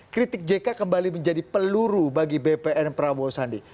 kritik jk kembali menjadi peluru bagi bpn prabowo sandi